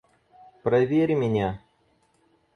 Проверь меня.